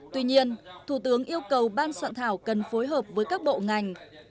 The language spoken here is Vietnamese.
tuy nhiên thủ tướng yêu cầu ban soạn thảo cần phối hợp với các bộ ngành